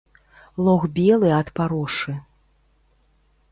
Лог белы ад парошы.